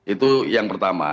itu yang pertama